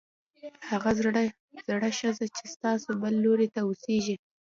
هغه زړه ښځه چې ستاسو بل لور ته اوسېږي